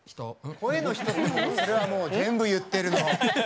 声の人はそれは全部、言ってるの！